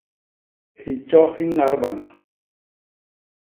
Hitjo hi ñadbana.